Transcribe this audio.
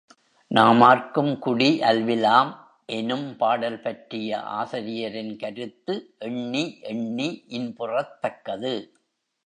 நாமார்க்கும் குடி அல்விலாம் எனும் பாடல் பற்றிய ஆசிரியரின் கருத்து எண்ணி எண்ணி இன்புறத்தக்கது.